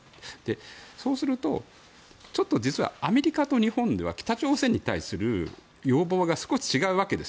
そうすると実はアメリカと日本で北朝鮮に対する要望が少し違うわけです。